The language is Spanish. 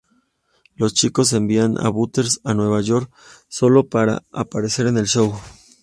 Los chicos envían a Butters a Nueva York solo para aparecer en el show.